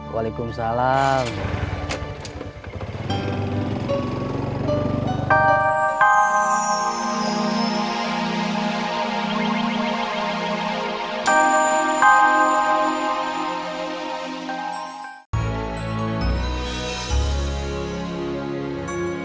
assalamualaikum warahmatullahi wabarakatuh